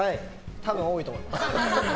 多分多いと思います。